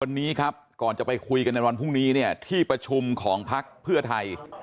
วันนี้ครับก่อนจะไปคุยกันในวันพรุ่งนี้เนี่ยที่ประชุมของพักเพื่อไทย